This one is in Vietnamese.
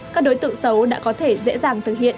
các đối tượng xấu đã có thể dễ dàng thực hiện